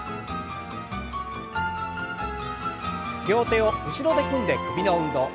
両手を後ろで組んで首の運動。